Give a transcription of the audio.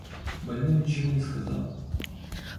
Больной ничего не сказал.